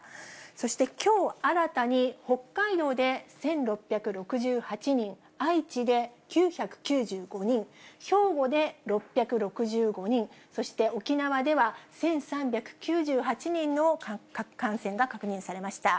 そしてきょう新たに、北海道で１６６８人、愛知で９９５人、兵庫で６６５人、そして沖縄では１３９８人の感染が確認されました。